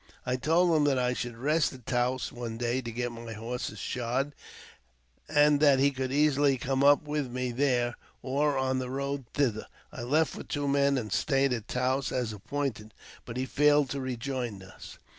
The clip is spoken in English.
I told him that I should rest at Taos one day to get my horses shod^ and that he could easily come up with me there, or on the road thither. I left with two men, and stayed at Taos as appointed,, but he failed to rejoin us.